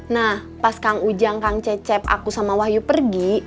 nah pas kang ujang kang cecep aku sama wahyu pergi